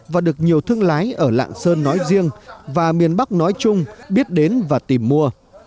và được nhiều thương lái ở lạng sơn nói riêng và miền bắc nói chung biết đến và tìm mua